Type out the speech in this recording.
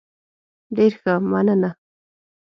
ډیر ښه، مننه.